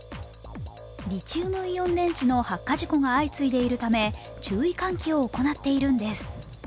リチウムイオン電池の発火事故が相次いでいるため、注意喚起を行っているんです。